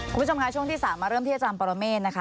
คุณผู้ชมค่ะช่วงที่๓มาเริ่มที่อาจารย์ปรเมฆนะคะ